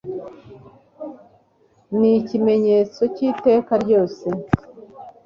Ni ikimenyetso cyiteka ryose